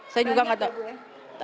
saya juga enggak tahu